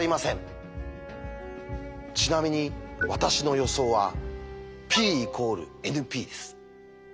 ちなみに私の予想はＰ＝ＮＰです。